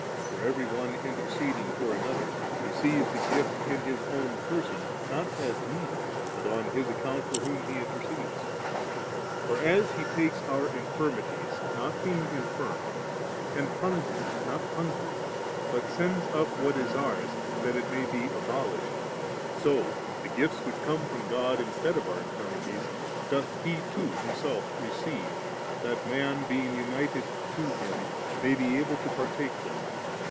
For every one interceding for another, receives the gift in his own person, not as needing, but on his account for whom he intercedes. 7. For as He takes oiu: inflrmides, not being infinn % and hungers not hungering, but sends up what is ours that it may be abolished, so the g^ which come from God instead of our infirmities, doth He too Himself receive, that man, being united to Him, may be able to partake them.